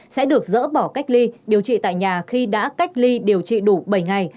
sẽ được dỡ bỏ cách ly điều trị tại nhà khi đã cách ly điều trị đủ bảy ngày